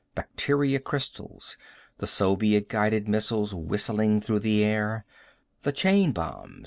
Bacteria crystals. The Soviet guided missiles, whistling through the air. The chain bombs.